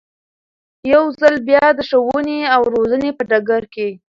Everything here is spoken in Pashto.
يو ځل بيا د ښوونې او روزنې په ډګر کې